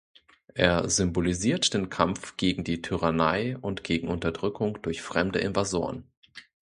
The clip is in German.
Er symbolisiert den Kampf gegen die Tyrannei und gegen Unterdrückung durch fremde Invasoren.